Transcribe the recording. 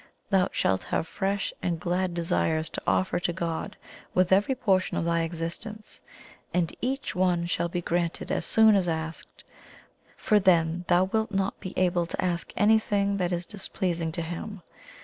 Thou shalt have fresh and glad desires to offer to God with every portion of thy existence, and each one shall be granted as soon as asked, for then thou wilt not be able to ask anything that is displeasing to Him.